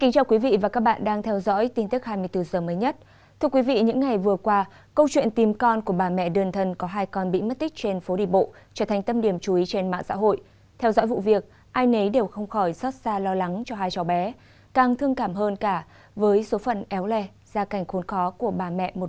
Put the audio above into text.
các bạn hãy đăng ký kênh để ủng hộ kênh của chúng mình nhé